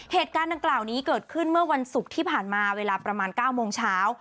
เหตุการณ์ดังกล่าวนี้เกิดขึ้นเมื่อวันศุกร์ที่ผ่านมาเวลาประมาณ๙โมงเช้า